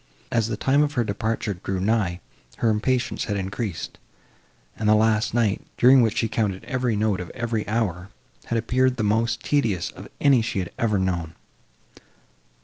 As the time of her departure drew nigh, her impatience had increased, and the last night, during which she counted every note of every hour, had appeared the most tedious of any she had ever known.